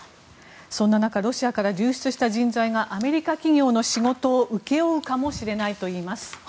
そんな中ロシアから流出した人材がアメリカ企業の仕事を請け負うかもしれないといいます。